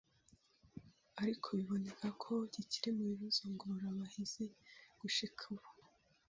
ariko biboneka ko kikiri mu bibazo ngorabahizi gushika ubu".